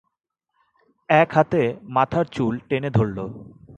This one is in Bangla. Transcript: এক হাতে মাথার চুল টেনে ধরল।